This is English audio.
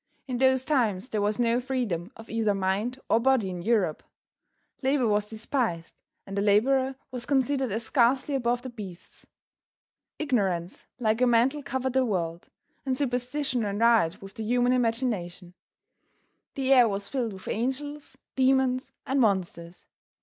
In those times there was no freedom of either mind or body in Europe. Labor was despised, and a laborer was considered as scarcely above the beasts. Ignorance like a mantle covered the world, and superstition ran riot with the human imagination. The air was filled with angels, demons and monsters.